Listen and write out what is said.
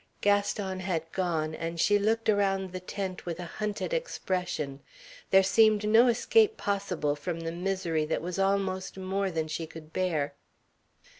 Gaston had gone, and she looked around the tent with a hunted expression. There seemed no escape possible from the misery that was almost more than she could bear.